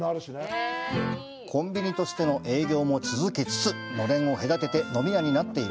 コンビニとしての営業も続けつつ、のれんを隔てて、飲み屋になっている。